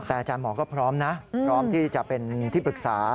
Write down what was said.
แต่อาจารย์หมอก็พร้อมนะพร้อมที่จะเป็นที่ปรึกษา